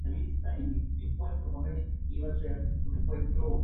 El tercer lugar lo consiguió Grecia, el cuarto Albania y el quinto Chipre.